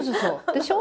でしょ？